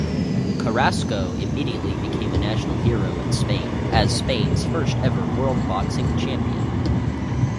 Carrasco immediately became a national hero in Spain, as Spain's first-ever world boxing champion.